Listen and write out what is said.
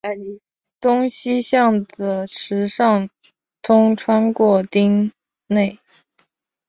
东西向的池上通穿越町内。